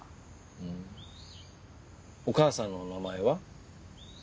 ふんお母さんのお名前は？